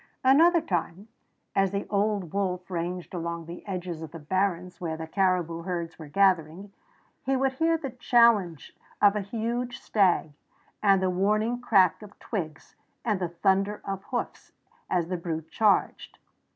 Another time, as the old wolf ranged along the edges of the barrens where the caribou herds were gathering, he would hear the challenge of a huge stag and the warning crack of twigs and the thunder of hoofs as the brute charged.